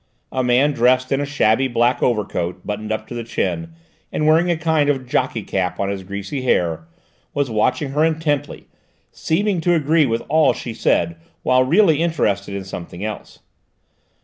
A man dressed in a shabby black overcoat buttoned up to the chin, and wearing a kind of jockey cap on his greasy hair, was watching her intently, seeming to agree with all she said while really interested in something else.